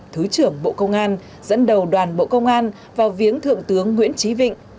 thứ trưởng bộ công an dẫn đầu đoàn bộ công an vào viếng thượng tướng nguyễn trí vịnh